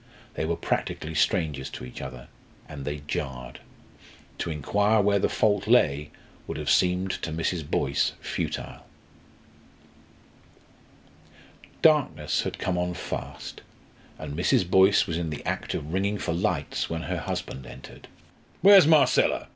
They were practically strangers to each other; and they jarred. To inquire where the fault lay would have seemed to Mrs. Boyce futile. Darkness had come on fast, and Mrs. Boyce was in the act of ringing for lights when her husband entered. "Where's Marcella?"